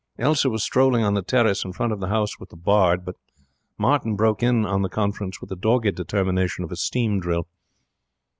Elsa was strolling on the terrace in front of the house with the bard, but Martin broke in on the conference with the dogged determination of a steam drill.